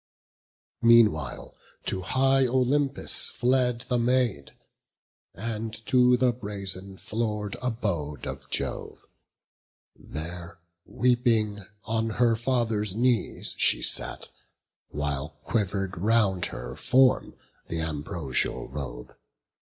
Meanwhile to high Olympus fled the Maid, And to the brazen floor'd abode of Jove. There, weeping, on her father's knees she sat, While quiver'd round her form th' ambrosial robe.